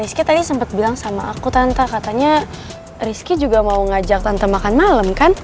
rizky tadi sempat bilang sama aku tante katanya rizky juga mau ngajak tante makan malam kan